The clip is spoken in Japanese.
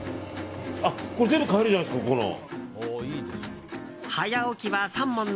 これ全部買えるじゃないですか、ここの。